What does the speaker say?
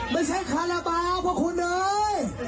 ไม่ใช่คาราเปล่าเพราะคุณเลย